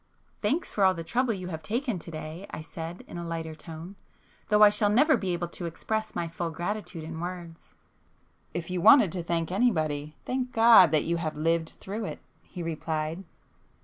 "Thanks for all the trouble you have taken to day,"—I said in a lighter tone—"Though I shall never be able to express my full gratitude in words." [p 289]"If you wanted to thank anybody, thank God that you have lived through it!" he replied.